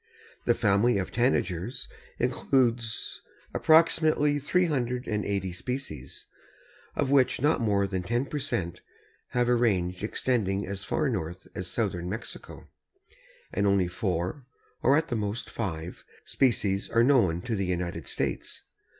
The family of Tanagers includes approximately three hundred and eighty species, of which not more than ten per cent. have a range extending as far north as Southern Mexico, and only four, or at the most five, species are known to the United States.